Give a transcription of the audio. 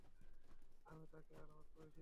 আমি তাকে আমার পরিচয় দিয়েছি।